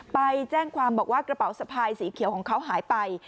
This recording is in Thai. ไปแจ้งความบอกว่ากระเป๋าสะพายสีเขียวของเขาหายไป